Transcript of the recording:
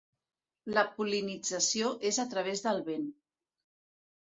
La pol·linització és a través del vent.